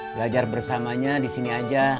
belajar bersamanya disini aja